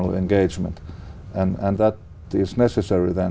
là một trong những